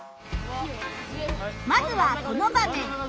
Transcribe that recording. まずはこの場面。